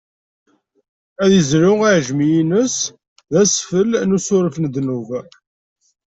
Ad izlu aɛejmi-nni ines, d asfel n usuref n ddnub.